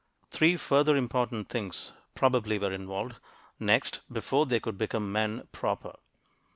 Three further important things probably were involved, next, before they could become men proper.